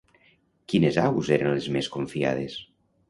Quines aus eren les més confiades?